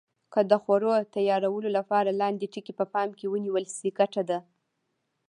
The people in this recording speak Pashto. که د خوړو تیارولو لپاره لاندې ټکي په پام کې ونیول شي ګټه ده.